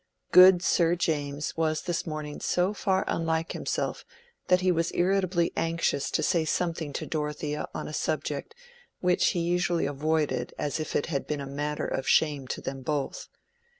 Good Sir James was this morning so far unlike himself that he was irritably anxious to say something to Dorothea on a subject which he usually avoided as if it had been a matter of shame to them both.